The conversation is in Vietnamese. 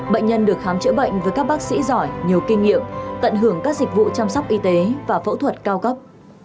bệnh nhân được khám chữa bệnh với các bác sĩ giỏi nhiều kinh nghiệm tận hưởng các dịch vụ chăm sóc y tế và phẫu thuật cao cấp